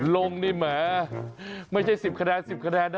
ลงนี่แหมไม่ใช่๑๐คะแนน๑๐คะแนนนะ